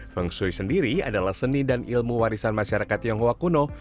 feng shui sendiri adalah seni dan ilmu warisan masyarakat tionghoa kuno